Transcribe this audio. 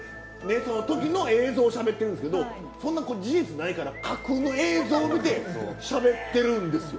そのときの映像をしゃべってるんですけどそんな事実ないから架空の映像を見てしゃべってるんですよ。